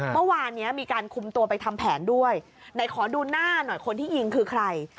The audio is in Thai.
เมื่อวานนี้มีการคุมตัวไปทำแผนด้วยไหนขอดูหน้าหน่อยคนที่ยิงคือใคร